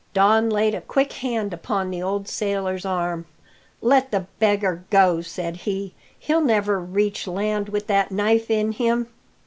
Don laid a quick hand upon the old sailor's arm. "Let the beggar go," said he. "He'll never reach land with that knife in him."